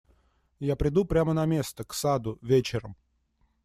Я приду прямо на место, к саду, вечером.